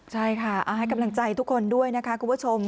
ใช่ค่ะให้กำลังใจทุกคนด้วยนะคะคุณผู้ชม